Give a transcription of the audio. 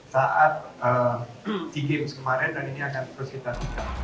saat di games kemarin dan ini akan terus kita buka